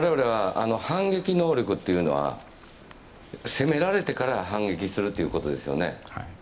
反撃能力というのは攻められてから反撃するということですよね。